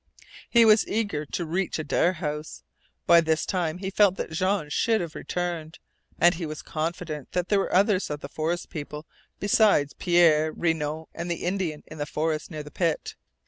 He was eager to reach Adare House. By this time he felt that Jean should have returned, and he was confident that there were others of the forest people besides Pierre, Renault, and the Indian in the forest near the pit.